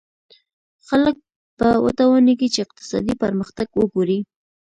خلک به وتوانېږي چې اقتصادي پرمختګ وګوري.